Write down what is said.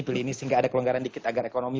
beli ini sehingga ada kelonggaran dikit agar ekonomi